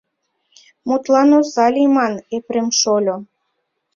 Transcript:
— Мутлан оза лийман, Епрем шольо.